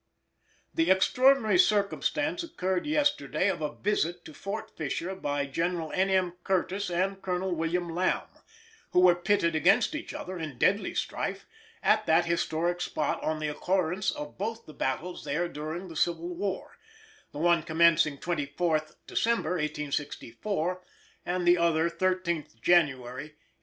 The extraordinary circumstance occurred yesterday of a visit to Fort Fisher by General N. M. Curtis and Colonel William Lamb, who were pitted against each other in deadly strife at that historic spot on the occurrence of both the battles there during the civil war—the one commencing 24th December 1864 and the other 13th January 1865.